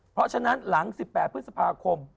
เพราะฉะนั้นหลัง๑๘พฤษภาคม